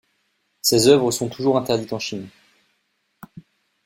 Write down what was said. Ses œuvres sont toujours interdites en Chine.